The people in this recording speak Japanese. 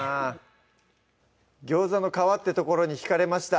ギョウザの皮ってところに引かれました